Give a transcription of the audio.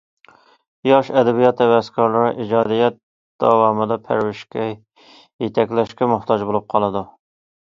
ياش ئەدەبىيات ھەۋەسكارلىرى ئىجادىيەت داۋامىدا پەرۋىشكە، يېتەكلەشكە موھتاج بولۇپ قالىدۇ.